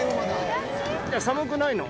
寒くないの？